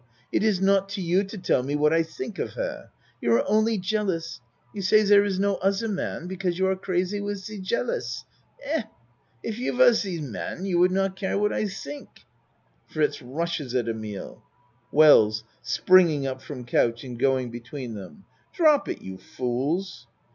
It is not to you to tell me what I sink of her. You are only jealous. You say zer is no ozzer man because you are crazy wiz ze jealous. Hein! If you was ze man you would not care what I zink (Fritz rushes at Emile.) WELLS (Springing up from couch and going be tween them.) Drop it you, fools!